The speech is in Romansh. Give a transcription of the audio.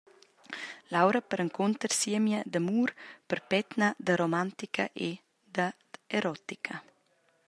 Laura perencunter siemia d’amur perpetna, da romantica e dad erotica.